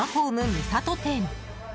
三郷店。